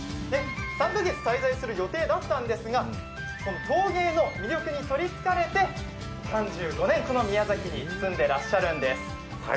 ３カ月滞在する予定だったんですが陶芸の魅力にとりつかれて、３５年、この宮崎に住んでらっしゃるんです。